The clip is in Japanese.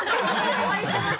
お会いしてます